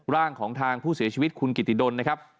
ร่างของทางผู้เสียชีวิตคุณกิติดลนะครับ